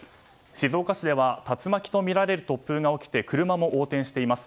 静岡市では竜巻とみられる突風が起きて車も横転しています。